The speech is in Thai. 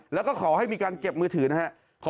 แล้วก็ขอให้มีการเก็บมือถือนะครับ